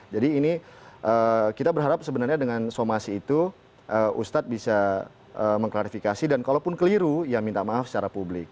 jadi ini kita berharap sebenarnya dengan somasi itu ustadz bisa mengklarifikasi dan kalaupun keliru ya minta maaf secara publik